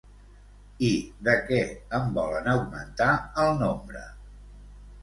I de què en volen augmentar el nombre?